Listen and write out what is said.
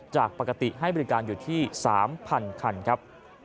จากปกติให้บริการอยู่ที่๓๐๐คันครับ